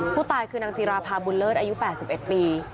ผู้ตายคือนางจิราภาบุญเลิศอายุ๘๑ปี